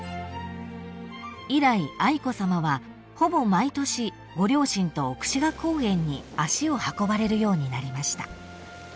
［以来愛子さまはほぼ毎年ご両親と奥志賀高原に足を運ばれるようになりました］